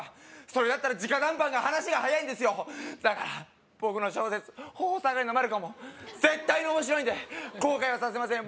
それだったら直談判が話が早いんですよだから僕の小説「頬下がりのマルコム」を絶対に面白いんで後悔はさせません